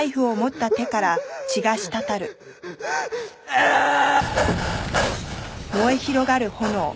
ああーっ！